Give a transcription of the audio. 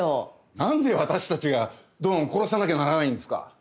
なんで私たちがドンを殺さなきゃならないんですか？